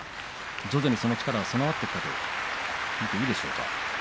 徐々にその力が備わってきていると言っていいでしょうか。